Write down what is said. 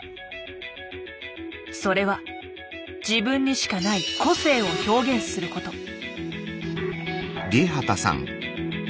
それは自分にしかない個性を表現すること。